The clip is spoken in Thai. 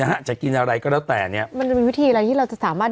ฮะจะกินอะไรก็แล้วแต่เนี้ยมันจะเป็นวิธีอะไรที่เราจะสามารถ